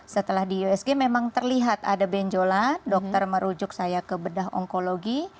setelah di usg memang terlihat ada benjolan dokter merujuk saya ke bedah onkologi